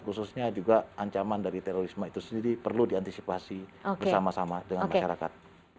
khususnya juga ancaman dari terorisme itu sendiri perlu diantisipasi bersama sama dengan masyarakat